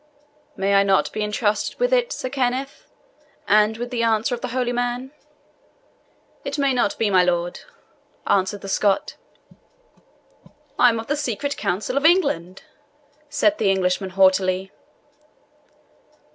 "May I not be entrusted with it, Sir Kenneth, and with the answer of the holy man?" "It may not be, my lord," answered the Scot. "I am of the secret council of England," said the Englishman haughtily.